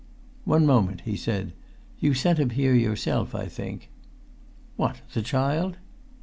"One moment," he said. "You sent him here yourself, I think?" "What, the child?"